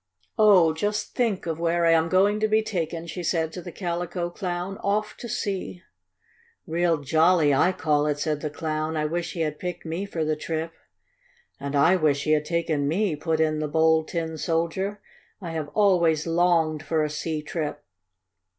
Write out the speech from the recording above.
"Oh, just think of where I am going to be taken!" she said to the Calico Clown. "Off to sea!" "Real jolly, I call it!" said the Clown. "I wish he had picked me for the trip." "And I wish he had taken me," put in the Bold Tin Soldier. "I have always longed for a sea trip."